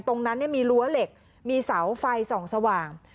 ตรงนั้นมีรั้วเหล็กมีเสาไฟส่องสว่าง